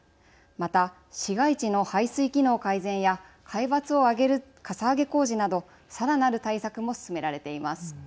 また、市街地の排水機能改善や海抜を上げる、かさ上げ工事などさらなる対策も進められています。